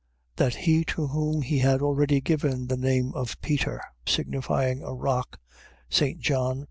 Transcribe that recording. that he to whom he had already given the name of Peter, signifying a rock, St. John 1.